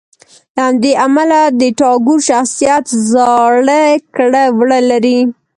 له همدې امله د ټاګور شخصیت زاړه کړه وړه لري.